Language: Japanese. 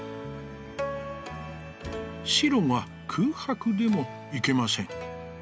「白が空白でもいけません。